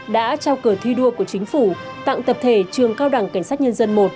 đã trao cờ thi đua của chính phủ tặng tập thể trường cao đẳng cảnh sát nhân dân một